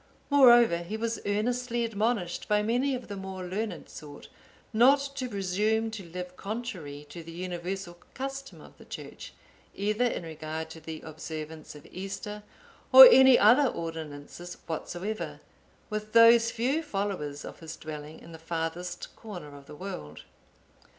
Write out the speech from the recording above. Moreover, he was earnestly admonished by many of the more learned sort, not to presume to live contrary to the universal custom of the Church, either in regard to the observance of Easter, or any other ordinances whatsoever, with those few followers of his dwelling in the farthest corner of the world.